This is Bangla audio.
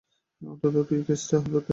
অন্তত তুই কেসটা ধরতে পেরেছিস।